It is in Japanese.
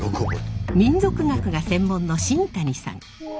民俗学が専門の新谷さん。